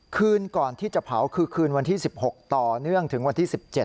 คืนก่อนที่จะเผาคือคืนวันที่๑๖ต่อเนื่องถึงวันที่๑๗